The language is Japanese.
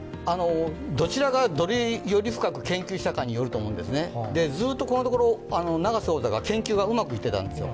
どちらがより深く研究したかによると思うんです、このところ、ずっと永瀬王座が研究がうまくいっていたんですよ。